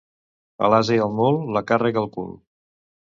A l'ase i al mul, la càrrega al cul.